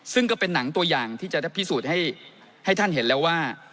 ซึ่งก็เป็นหนังตัวอย่างที่จะพิสูจน์ให้ท่านเห็นแล้วว่า